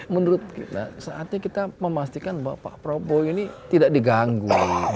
menurut kita saatnya kita memastikan bahwa pak prabowo ini tidak diganggu